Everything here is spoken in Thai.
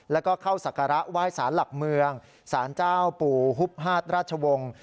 แล้วก็เข้าศักระไหว้สารหลักเมืองสารเจ้าปู่ฮุบฮาดราชวงศ์